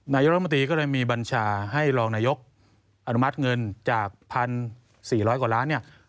นายรัฐมนตรีก็เลยมีบัญชาให้รองนายกอนุมัติเงินจาก๑๔๐๐กว่าล้านเนี่ย